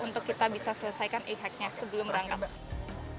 untuk kita bisa selesaikan e hack nya sebelum berangkat